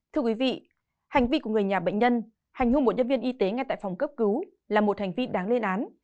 thưa quý vị hành vi của người nhà bệnh nhân hành hung một nhân viên y tế ngay tại phòng cấp cứu là một hành vi đáng lên án